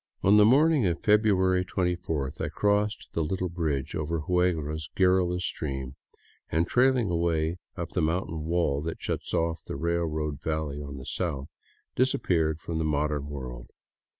On the morning of February 24th I crossed the little bridge over Huigra's garrulous stream and, trailing away up the mountain wall that shuts off the railroad valley on the south, disappeared from the modern world.